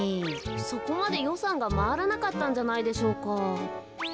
そこまでよさんがまわらなかったんじゃないでしょうか。